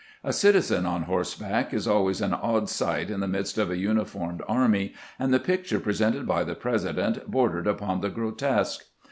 A citizen on horseback is always an odd sight in the midst of a uniformed army, and the picture presented by the President bordered upon the grotesque.